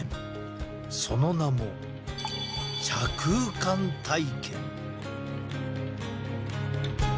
その名も茶空間体験。